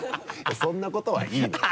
そんなことはいいのよ。